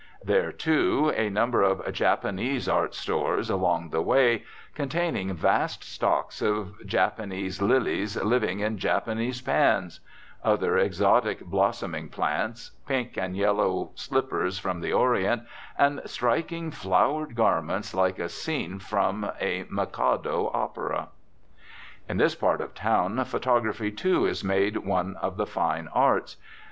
There are, too, a number of "Japanese art stores" along the way, containing vast stocks of Japanese lilies living in Japanese pans, other exotic blossoming plants, pink and yellow slippers from the Orient, and striking flowered garments like a scene from a "Mikado" opera. In this part of town photography, too, is made one of the fine arts.